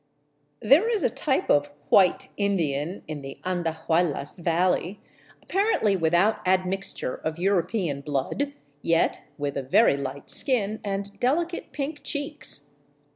There is a type of white " Indian in the Andahuaylas valley, ap parently without admixture of European blood, yet with a very light skin and delicate pink cheeks.